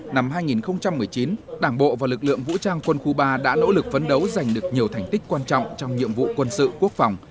năm hai nghìn một mươi chín đảng bộ và lực lượng vũ trang quân khu ba đã nỗ lực phấn đấu giành được nhiều thành tích quan trọng trong nhiệm vụ quân sự quốc phòng